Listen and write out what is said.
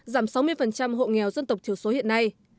giảm sáu mươi hộ nghèo dân tộc thiểu số hiện nay